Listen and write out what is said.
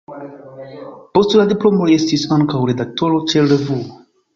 Post la diplomo li estis ankaŭ redaktoro ĉe revuo.